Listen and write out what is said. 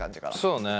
そうね。